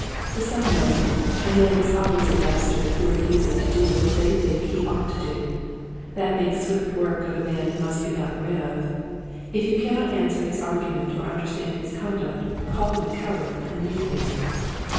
To some men a man is always a dastard who refuses to do what they think he ought to do. That makes swift work of a man who must be gotten rid of. If you cannot answer his 50 Quiet Hiftts to Growing Preachers. argument or understand his conduct call him a coward and leave him.